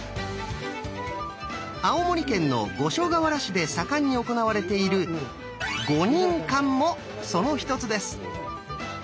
青森県の五所川原市で盛んに行われている「ゴニンカン」もその一つです。